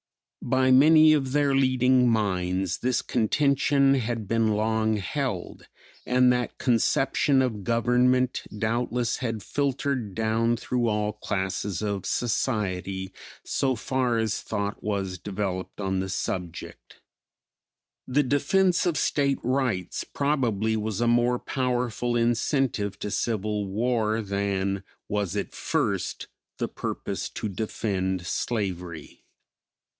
By many of their leading minds this contention had been long held, and that conception of government doubtless had filtered down through all classes of society so far as thought was developed on the subject. The defense of State rights probably was a more powerful incentive to civil war than was at first the purpose to defend slavery.